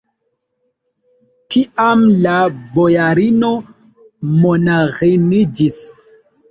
Kiam la bojarino monaĥiniĝis?